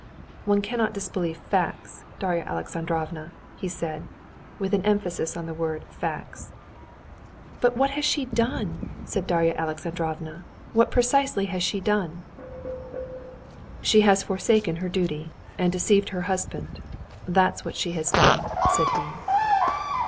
"One cannot disbelieve facts, Darya Alexandrovna," said he, with an emphasis on the word "facts." "But what has she done?" said Darya Alexandrovna. "What precisely has she done?" "She has forsaken her duty, and deceived her husband. That's what she has done," said he.